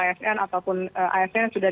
asn ataupun asn sudah